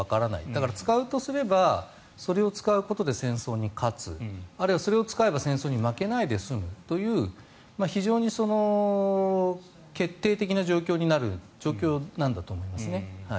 だから使うとすればそれを使うことで戦争に勝つあるいはそれを使えば戦争に負けないで済むという非常に決定的な状況になる状況なんだと思います。